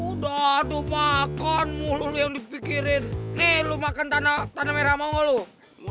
udah aduh makan mulu yang dipikirin nih lo makan tanah merah mau gak lu